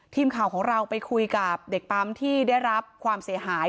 ทีมข่าวของเราไปคุยกับเด็กปั๊มที่ได้รับความเสียหาย